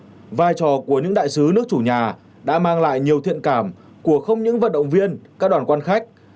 trong đó vai trò của những đại sứ nước chủ nhà đã mang lại nhiều thiện cảm của không những vận động viên các đoàn quan khách